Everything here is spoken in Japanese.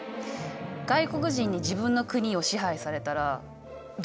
外国人に自分の国を支配されたらどう思うかな？